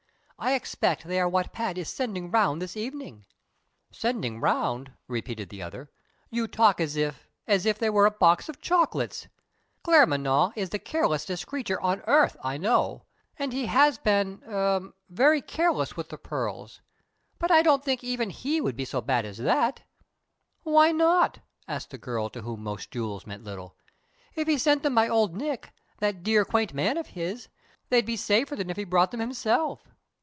I expect they are what Pat is sending around this evening." "Sending around!" repeated the other. "You talk as if as if they were a box of chocolates! Claremanagh is the careless est creature on earth, I know. And he has been er very careless with the pearls. But I don't think even he would be as bad as that." "Why not?" asked the girl to whom most jewels meant little. "If he sent them by Old Nick, that dear, quaint man of his, they'd be safer than if he brought them himself.